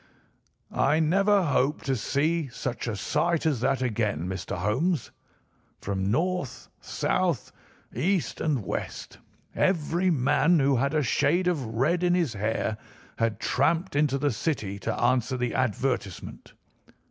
"I never hope to see such a sight as that again, Mr. Holmes. From north, south, east, and west every man who had a shade of red in his hair had tramped into the city to answer the advertisement.